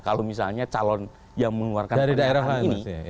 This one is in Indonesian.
kalau misalnya calon yang mengeluarkan daerah ini